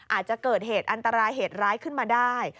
อาจจะเกิดเหตุอันตรายเหตุร้ายขึ้นมาได้